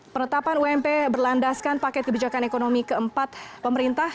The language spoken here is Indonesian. penetapan ump berlandaskan paket kebijakan ekonomi keempat pemerintah